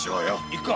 行くか！